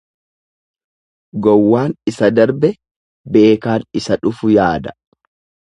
Gowwaan isa darbe, beekaan isa dhufu yaada.